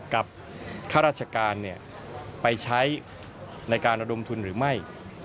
ข้าราชการไปใช้ในการระดมทุนหรือไม่